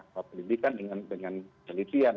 kepelindikan dengan penelitian